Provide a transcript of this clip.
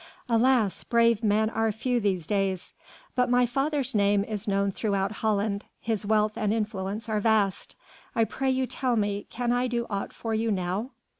Alas! brave men are few these days! But my father's name is known throughout Holland; his wealth and influence are vast. I pray you tell me, can I do aught for you now?"